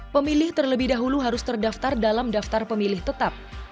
pemilih terlebih dahulu harus terdaftar dalam daftar pemilih tetap